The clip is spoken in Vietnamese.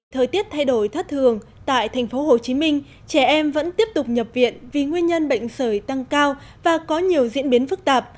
thời tiết thay đổi thất thường tại thành phố hồ chí minh trẻ em vẫn tiếp tục nhập viện vì nguyên nhân bệnh sởi tăng cao và có nhiều diễn biến phức tạp